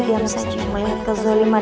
diam saja melihat kezaliman